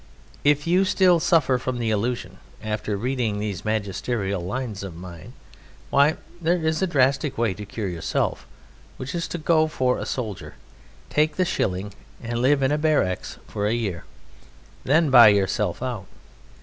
If you still suffer from the illusion after reading these magisterial lines of mine, why, there is a drastic way to cure yourself, which is to go for a soldier; take the shilling and live in a barracks for a year; then buy yourself out.